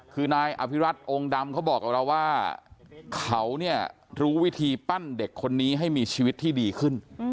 คือนายอภิรัติองค์ดำเขาบอกกับเราว่าเขาเนี่ยรู้วิธีปั้นเด็กคนนี้ให้มีชีวิตที่ดีขึ้น